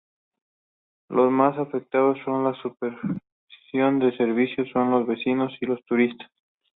Los mas afectados con la suspensión del servicio son los vecinos y los turistas.